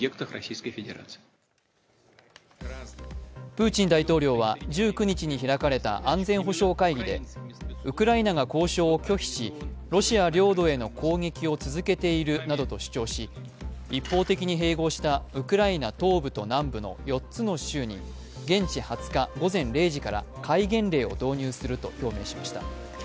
プーチン大統領は１９日に開かれた安全保障会議でウクライナが交渉を拒否し、ロシア領土への攻撃を続けているなどと主張し一方的に併合したウクライナ東部と南部の４つの州に現地２０日午前０時から戒厳令を導入すると表明しました。